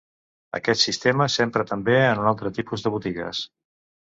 Aquest sistema s'empra també en un altre tipus de botigues.